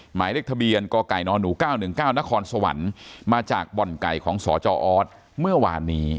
หมายเลขทะเบียนกไก่นหนู๙๑๙นครสวรรค์มาจากบ่อนไก่ของสจออสเมื่อวานนี้